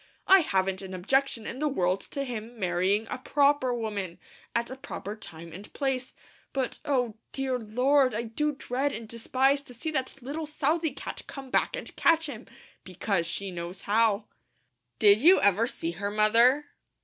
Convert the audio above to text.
I haven't an objection in the world to him marrying a PROPER woman, at a proper time and place; but Oh, dear Lord, I do dread and despise to see that little Southey cat come back and catch him, because she knows how." "Did you ever see her, Mother?"